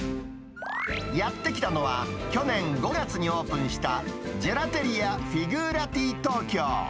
やって来たのは、去年５月にオープンした、ジェラテリアフィグーラティ東京。